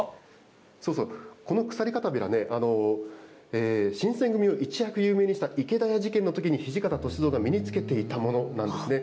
そうそう、この鎖帷子ね、新撰組を一躍有名にした池田屋事件のときに土方歳三が身に着けていたものなんですね。